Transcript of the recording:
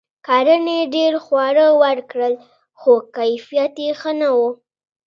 کرنې ډیر خواړه ورکړل؛ خو کیفیت یې ښه نه و.